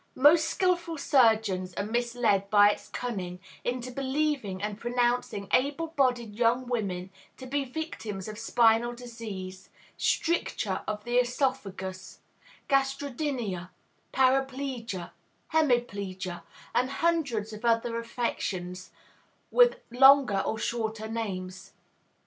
Most skilful surgeons are misled by its cunning into believing and pronouncing able bodied young women to be victims of spinal disease, "stricture of the oesophagus," "gastrodynia," "paraplegia," "hemiplegia," and hundreds of other affections, with longer or shorter names.